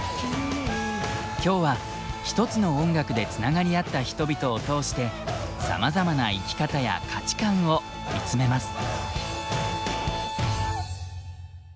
今日はひとつの音楽でつながり合った人々を通してさまざまな生き方や価値観を見つめます。